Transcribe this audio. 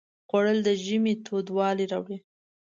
خوړل د ژمي تودوالی راوړي